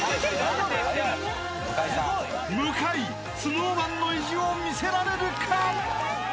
［向井ＳｎｏｗＭａｎの意地を見せられるか！？］